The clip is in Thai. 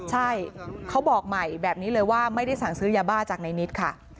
ใช่เขาบอกใหม่แบบนี้เลยว่าไม่ได้สั่งซื้อยาบ้าจากในนิดค่ะ